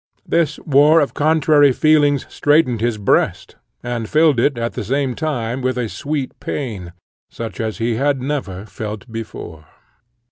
This war of contrary feelings straightened his breast, and filled it at the same time with a sweet pain, such as he had never felt before.